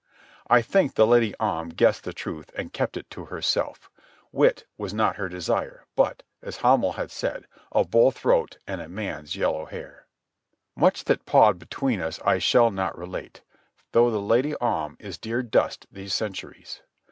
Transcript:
I think the Lady Om guessed the truth and kept it to herself; wit was not her desire, but, as Hamel had said, a bull throat and a man's yellow hair. Much that passed between us I shall not relate, though the Lady Om is dear dust these centuries.